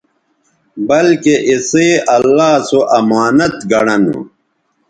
بلکہ اِسئ اللہ سو امانت گنڑہ نو